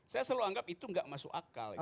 saya selalu anggap itu nggak masuk akal